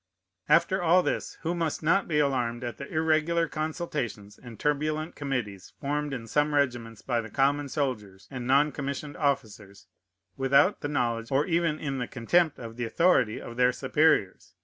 "After all this, who must not be alarmed at the irregular consultations and turbulent committees formed in some regiments by the common soldiers and non commissioned officers, without the knowledge, or even in contempt of the authority, of their superiors?